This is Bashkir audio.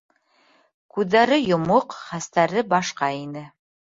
Күҙҙәре йомоҡ, хәстәре башҡа ине.